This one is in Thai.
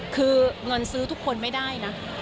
คือเงินซื้อทุกคนไม่ได้นะ